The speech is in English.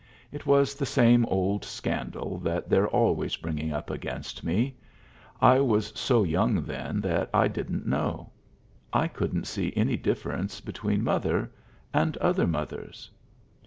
It was the same old scandal that they're always bringing up against me. I was so young then that I didn't know. I couldn't see any difference between mother and other mothers.